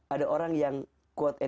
ada orang yang